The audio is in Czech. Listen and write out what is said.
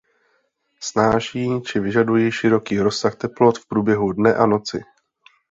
Snáší či vyžadují široký rozsah teplot v průběhu dne a noci.